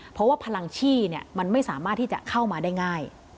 เพราะว่าพลังชี่มันไม่สามารถที่จะเข้ามาได้ง่าย